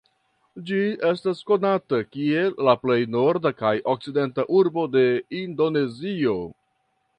Ĝi estas konata kiel la plej norda kaj okcidenta urbo de Indonezio.